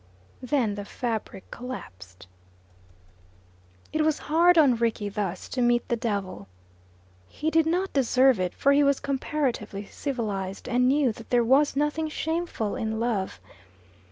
Then the fabric collapsed. It was hard on Rickie thus to meet the devil. He did not deserve it, for he was comparatively civilized, and knew that there was nothing shameful in love.